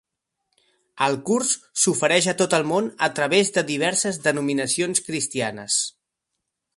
El curs s'ofereix a tot el món a través de diverses denominacions cristianes.